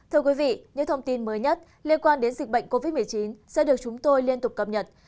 thưa quý vị những thông tin mới nhất liên quan đến dịch bệnh covid một mươi chín sẽ được chúng tôi liên tục cập nhật